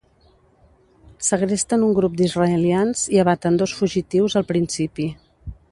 Segresten un grup d'israelians i abaten dos fugitius al principi.